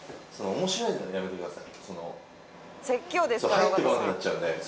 面白めのはやめてください